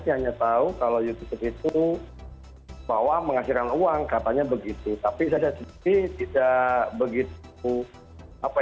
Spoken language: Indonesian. hanya tahu kalau youtube itu bahwa menghasilkan uang katanya begitu tapi saya sendiri tidak begitu apa